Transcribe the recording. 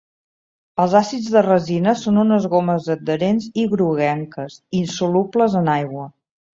Els àcids de resina són unes gomes adherents i groguenques, insolubles en aigua.